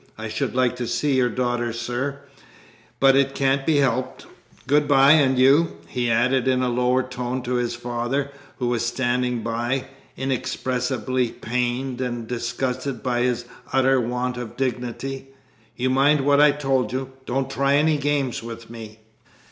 I should like to see your daughter, sir; but it can't be helped. Good bye; and you," he added in a lower tone to his father, who was standing by, inexpressibly pained and disgusted by his utter want of dignity, "you mind what I told you. Don't try any games with me!"